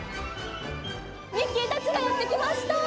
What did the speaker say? ミッキーたちがやって来ました。